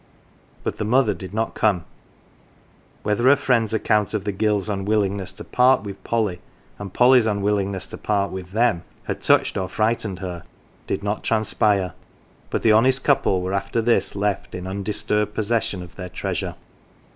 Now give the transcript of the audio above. But the mother did not come ; whether her friend's account of the Gills' 1 unwillingness to part with Polly, and Polly's unwillingness to part with them, had touched or frightened her, did not transpire ; but the honest couple were after this left in undisturbed possession of their treasure.